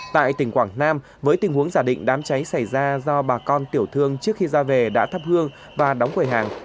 tại tỉnh quảng nam với tình huống giả định đám cháy xảy ra do bà con tiểu thương trước khi ra về đã thắp hương và đóng quầy hàng